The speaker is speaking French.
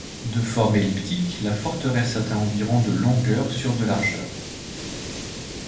De forme elliptique, la forteresse atteint environ de longueur sur de largeur.